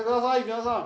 皆さん。